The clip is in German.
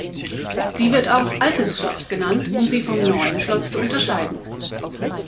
Sie wird auch "Altes Schloss" genannt, um sie vom Neuen Schloss zu unterscheiden.